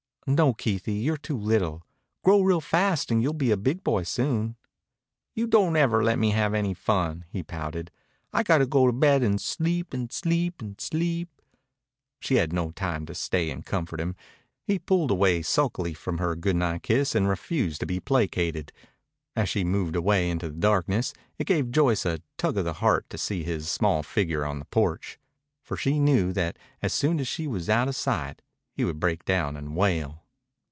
"No, Keithie, you're too little. Grow real fast and you'll be a big boy soon." "You don't ever lemme have any fun," he pouted. "I gotta go to bed an' sleep an' sleep an' sleep." She had no time to stay and comfort him. He pulled away sulkily from her good night kiss and refused to be placated. As she moved away into the darkness, it gave Joyce a tug of the heart to see his small figure on the porch. For she knew that as soon as she was out of sight he would break down and wail.